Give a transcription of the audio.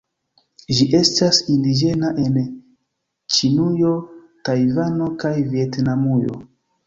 Ĝi estas indiĝena en Ĉinujo, Tajvano kaj Vjetnamujo.